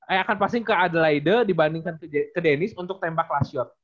eh akan passing ke adelaide dibandingkan ke dennis untuk tembak last shot